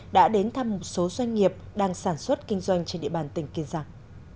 đã đến thăm một số doanh nghiệp đang sản xuất kinh doanh trên địa bàn tỉnh kiên giang